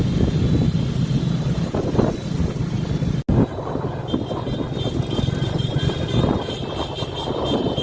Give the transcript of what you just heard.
สุดท้ายสุดท้ายสุดท้ายสุดท้าย